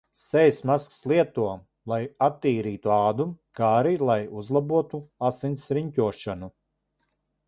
Sejas maskas lieto, lai attīrītu ādu, kā arī lai uzlabotu asinsriņķošanu.